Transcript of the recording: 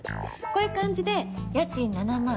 こういう感じで家賃７万。